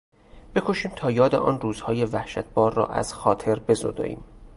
بکوشیم تا یاد آن روزهای وحشتبار را از خاطر بزداییم.